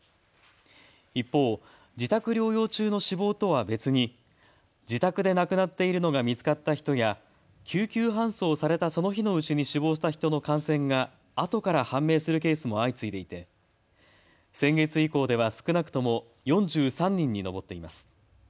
一方、自宅療養中の死亡とは別に自宅で亡くなっているのが見つかった人や救急搬送されたその日のうちに死亡した人の感染があとから判明するケースも相次いでいて先月以降では少なくとも４３人に上っています。